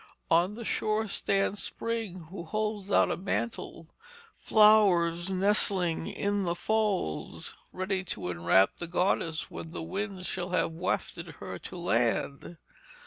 On the shore stands Spring, who holds out a mantle, flowers nestling in its folds, ready to enwrap the goddess when the winds shall have wafted her to land.